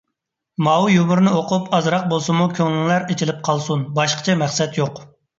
ماۋۇ يۇمۇرنى ئوقۇپ، ئازراق بولسىمۇ كۆڭلۈڭلار ئېچىلىپ قالسۇن. باشقىچە مەقسەت يوق.